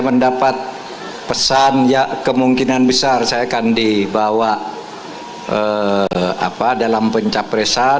mendapat pesan ya kemungkinan besar saya akan dibawa dalam pencapresan